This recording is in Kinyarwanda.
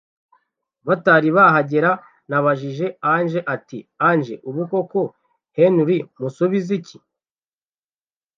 batari bahagera nabajije Angel ati angel ubu koko Henry musubiziki